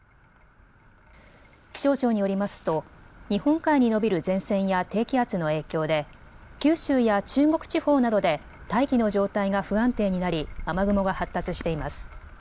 気象庁によりますと日本海に延びる前線や低気圧の影響で九州や中国地方などで大気の状態が不安定になり雨雲が発達しています。